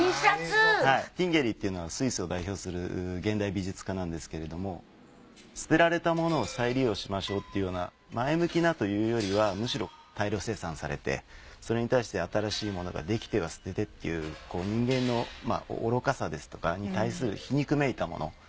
ティンゲリーっていうのはスイスを代表する現代美術家なんですけれども捨てられたものを再利用しましょうっていうような前向きなというよりはむしろ大量生産されてそれに対して新しいものができては捨ててっていう人間の愚かさですとかに対する皮肉めいたもの